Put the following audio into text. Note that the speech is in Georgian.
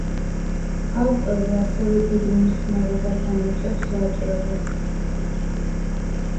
ავტორი ასევე დიდ მნიშვნელობას ანიჭებს ვაჭრობას.